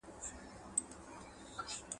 چي زه هم لکه بوډا ورته ګویا سم.